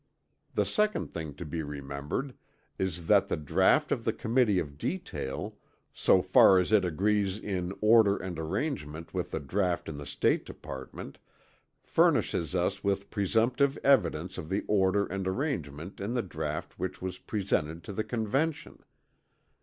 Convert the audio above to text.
The second thing to be remembered is that the draught of the Committee of Detail, so far as it agrees in order and arrangement with the draught in the State Department furnishes us with presumptive evidence of the order and arrangement in the draught which was presented to the Convention.